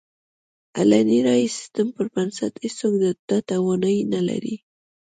علني رایې سیستم پر بنسټ هېڅوک دا توانایي نه لري.